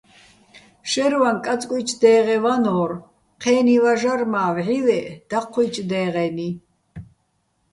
შაჲრვაჼ კაწკუჲჩო̆ დე́ღეჼ ვანო́რ, ჴე́ნი ვაჟარ მა́ ვჵივეჸ დაჴჴუ́ჲჩო̆ დე́ღენი.